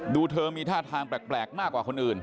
เธอมีท่าทางแปลกมากกว่าคนอื่น